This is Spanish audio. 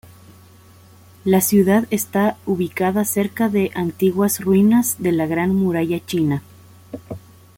La ciudad está ubicada cerca de antiguas ruinas de la Gran Muralla China.